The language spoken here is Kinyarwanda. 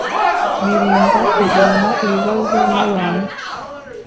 birinda kugirana ibibazo n’abantu.